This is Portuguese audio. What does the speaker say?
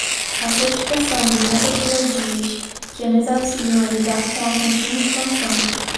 A certificação de metodologias que nos auxiliam a lidar com a contínua expansão